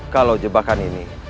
kalau jebakan ini